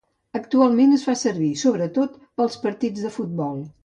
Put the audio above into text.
Actualment es fa servir sobretot per als partits de futbol.